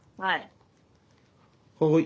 はい。